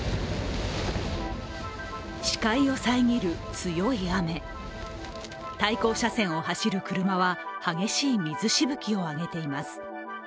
視界を遮る強い雨、対向車線を走る車は激しい水しぶきを上げています。